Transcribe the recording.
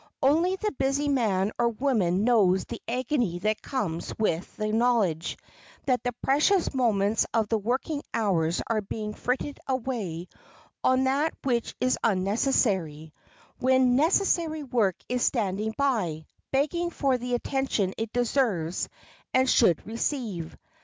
Only the busy man or woman knows the agony that comes with the knowledge that the precious moments of the working hours are being frittered away on that which is unnecessary, when necessary work is standing by, begging for the attention it deserves and should receive.